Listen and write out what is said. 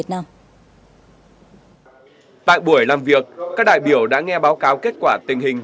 tại buổi làm việc các đại biểu đã nghe báo cáo kết quả tình hình